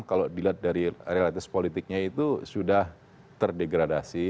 kalau dilihat dari realitas politiknya itu sudah terdegradasi